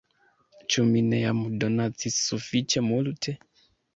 Ĉu mi ne jam donacis sufiĉe multe!"